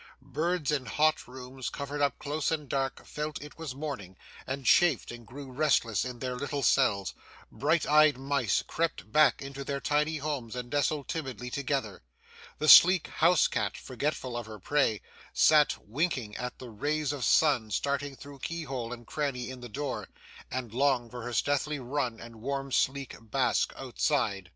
Birds in hot rooms, covered up close and dark, felt it was morning, and chafed and grew restless in their little cells; bright eyed mice crept back to their tiny homes and nestled timidly together; the sleek house cat, forgetful of her prey, sat winking at the rays of sun starting through keyhole and cranny in the door, and longed for her stealthy run and warm sleek bask outside.